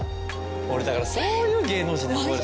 俺だからそういう芸能人にバレる！